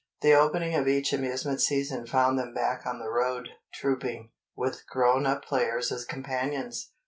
The opening of each amusement season found them back on the road, trouping, with grown up players as companions.